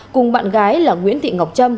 cùng bạn gái là nguyễn thị ngọc trâm